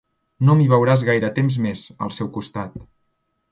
No m'hi veuràs gaire temps més, al seu costat.